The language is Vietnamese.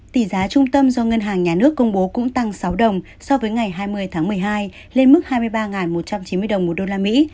tỷ giá trung tâm do ngân hàng nhà nước công bố cũng tăng sáu đồng so với ngày hai mươi tháng một mươi hai lên mức hai mươi ba một trăm chín mươi đồng một đô la mỹ